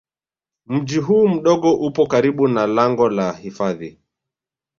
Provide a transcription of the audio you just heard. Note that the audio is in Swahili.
Mji huu mdogo upo karibu na lango la hifadhi